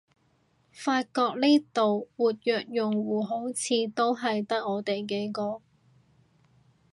發覺呢度活躍用戶好似都係得我哋幾個